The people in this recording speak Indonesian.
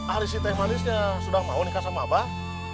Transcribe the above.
ahli si teh malisnya sudah mau nikah sama abah